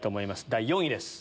第４位です。